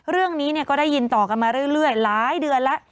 เรื่องนี้ก็ได้ยินต่อกันมาเรื่อยหลายเดือนแล้ว